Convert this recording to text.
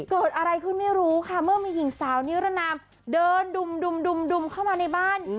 เกิดอะไรขึ้นไม่รู้ค่ะเมื่อมีหญิงสาวนิรนามเดินดุมเข้ามาในบ้าน